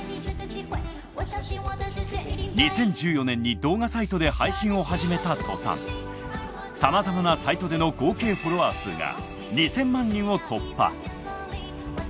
２０１４年に動画サイトで配信を始めた途端さまざまなサイトでの合計フォロワー数が２，０００万人を突破。